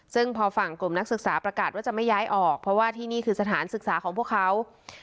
ซึ่งพอฝั่งกลุ่มนักศึกษาประกาศว่าจะไม่ย้ายออกเพราะว่าที่นี่คือสถานศึกษาของพวกเขา